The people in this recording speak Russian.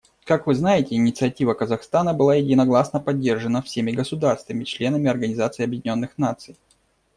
Как вы знаете, инициатива Казахстана была единогласно поддержана всеми государствами — членами Организации Объединенных Наций.